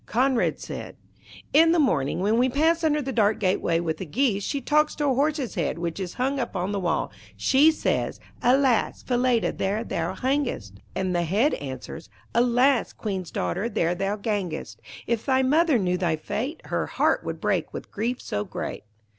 Conrad said, 'In the morning, when we pass under the dark gateway with the geese, she talks to a horse's head which is hung up on the wall. She says 'Alas! Falada, there thou hangest,' and the Head answers 'Alas! Queen's daughter, there thou gangest. If thy mother knew thy fate, Her heart would break with grief so great.'